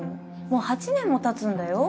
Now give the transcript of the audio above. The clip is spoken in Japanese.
もう８年も経つんだよ？